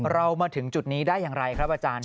เรามาถึงจุดนี้ได้อย่างไรครับอาจารย์